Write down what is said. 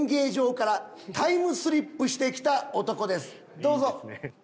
どうぞ。